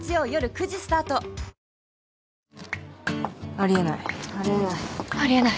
あり得ない。